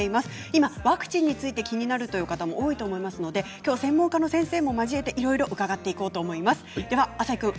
今、ワクチンについて気になるという方も多いと思いますので専門家の先生も交えて伺っていきます。